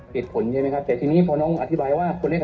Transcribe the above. ใช่ไหมครับแต่ทีนี้พอน้องอธิบายว่าคนเล็ก